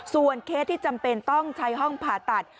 เคสที่จำเป็นต้องใช้ห้องผ่าตัด